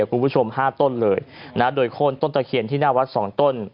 คุณผู้ชม๕ต้นเลยนะโดยโค้นต้นตะเคียนที่หน้าวัดสองต้น